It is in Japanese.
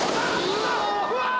うわ！